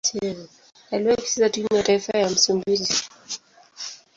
Aliwahi kucheza timu ya taifa ya Msumbiji.